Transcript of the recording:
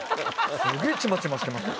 すげぇちまちましてますよ。